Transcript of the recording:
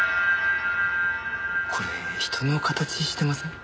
これ人の形してません？